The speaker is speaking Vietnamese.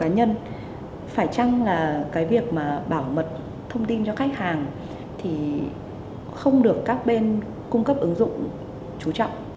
nhưng phải chăng là cái việc mà bảo mật thông tin cho khách hàng thì không được các bên cung cấp ứng dụng chú trọng